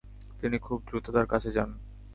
তিনি খুব দ্রুত তার কাছে যান।